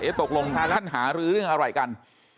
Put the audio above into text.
ตกลงท่านหารือเรื่องอะไรกัน